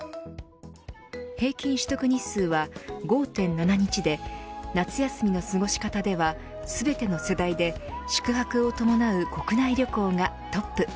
平均取得日数は５．７日で夏休みの過ごし方では全ての世帯で宿泊を伴う国内旅行がトップ。